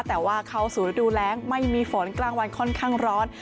แต่ว่าเข้าสู่ฤดูแรงไม่มีฝนกลางวันค่อนข้างร้อน